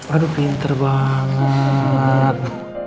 aduh pinter banget